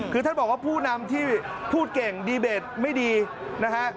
คือท่านบอกว่าผู้นำที่พูดเก่งดีเบตไม่ดีนะฮะ